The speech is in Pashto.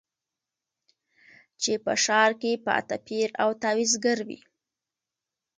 چي په ښار کي پاته پیر او تعویذګروي